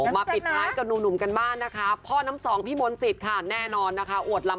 มาปิดล้ายกับหนุ่มกันบ้างนะคะ